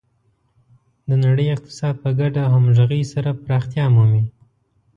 د نړۍ اقتصاد په ګډه او همغږي سره پراختیا مومي.